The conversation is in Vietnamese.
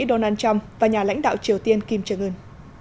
donald trump và nhà lãnh đạo triều tiên kim jong un